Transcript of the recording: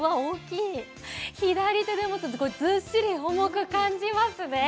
左手で持つと、ずっしりと重く感じますね。